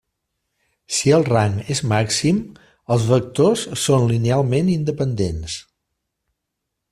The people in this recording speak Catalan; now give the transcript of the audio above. Si el rang és màxim, els vectors són linealment independents.